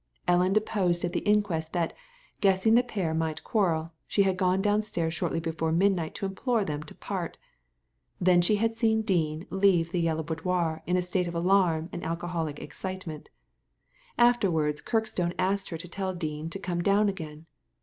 Ellen deposed at the inquest that, guessing the pair might quarrel, she had gone downstairs shortly before midnight to implore them to part Then she had seen Dean leave the Yellow Boudoir in a state of alarm and alcoholic excitement Afterwards Kirkstone asked her to tell Dean to come down again.